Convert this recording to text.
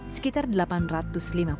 sekitar sepuluh tahun kopi dan tradisi